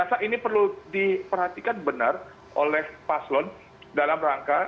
jadi saya rasa ini perlu diperhatikan benar oleh paslon dalam rangka